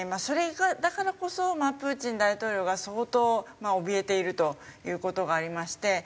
それがだからこそプーチン大統領が相当おびえているという事がありまして。